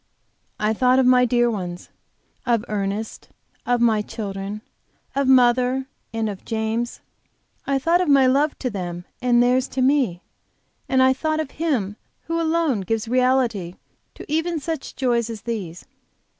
I thought of my dear ones, of Ernest, of my children, of mother, and of James, and I thought of my love to them and of theirs to me. And I thought of Him who alone gives reality to even such joys as these.